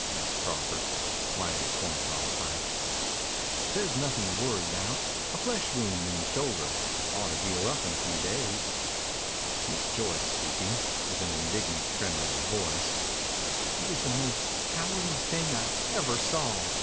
asked Crawford, lighting a corncob pipe. "Says nothin' to worry about. A flesh wound in the shoulder. Ought to heal up in a few days." Miss Joyce speaking, with an indignant tremor of the voice: "It was the most cowardly thing I ever saw.